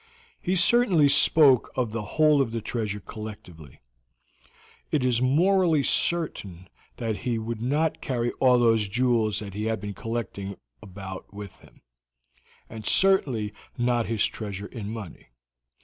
He certainly spoke of the whole of this treasure collectively. It is morally certain that he would not carry all these jewels that he had been collecting about with him, and certainly not his treasure in money.